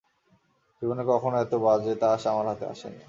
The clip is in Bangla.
জীবনে কখনো এত বাজে তাস আমার হাতে আসেনি।